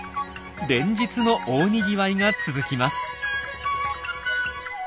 連日の大にぎわいが続きます。